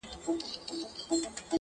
یو ګړی له وهمه نه سوای راوتلای!!